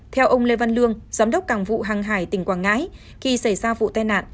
theo ông lê văn lương giám đốc cảng vụ hàng hải tỉnh quảng ngãi khi xảy ra vụ tai nạn